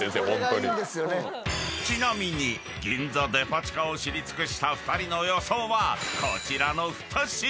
［ちなみに銀座デパ地下を知り尽くした２人の予想はこちらの２品］